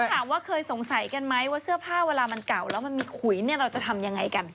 ถามว่าเคยสงสัยกันไหมว่าเสื้อผ้าเวลามันเก่าแล้วมันมีขุยเนี่ยเราจะทำยังไงกัน